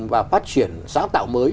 và phát triển sáng tạo mới